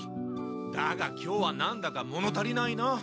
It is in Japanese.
だが今日は何だか物足りないな。